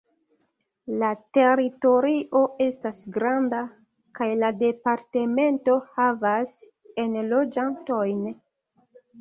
La teritorio estas granda, kaj la departemento havas enloĝantojn.